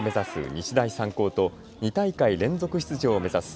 日大三高と２大会連続出場を目指す